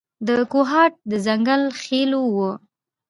د کوهاټ د ځنګل خېلو و.